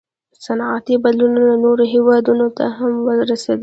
• صنعتي بدلونونه نورو هېوادونو ته هم ورسېدل.